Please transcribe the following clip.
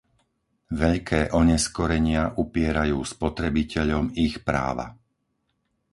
Veľké oneskorenia upierajú spotrebiteľom ich práva.